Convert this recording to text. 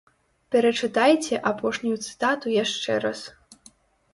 Перачытайце апошнюю цытату яшчэ раз.